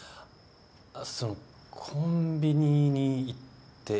そのコンビニに行って。